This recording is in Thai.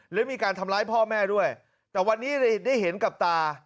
และมีการทำร้ายพ่อแม่ด้วยแต่วันนี้ได้เห็นกับตา